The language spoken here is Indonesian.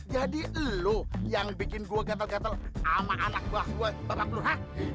jadi lo yang bikin gue gatel gatel sama anak gue bapak blur hah